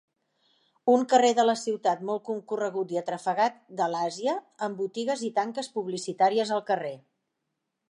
Un carrer de la ciutat molt concorregut i atrafegat de l'Àsia, amb botigues i tanques publicitàries al carrer.